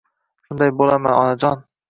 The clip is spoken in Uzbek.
Shunday boʻlaman onajon!